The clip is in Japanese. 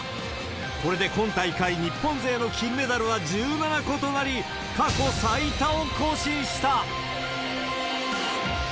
これで今大会、日本勢の金メダルは１７個となり、過去最多を更新した。